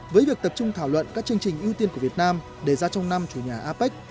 với việc tập trung thảo luận các chương trình ưu tiên của việt nam đề ra trong năm chủ nhà apec